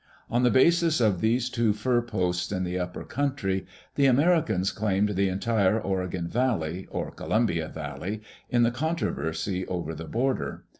On the basis of these two fur posts in the upper country, the Americans claimed the entire Oregon Valley, or Columbia Valley, in the controversy over the border.